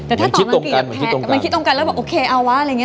แต่ถ้าตอบอังกฤษกันแผกมันคิดตรงกันแล้วบอกโอเคครับว่าอะไรแบบนี่